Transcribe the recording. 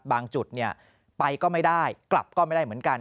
จุดไปก็ไม่ได้กลับก็ไม่ได้เหมือนกัน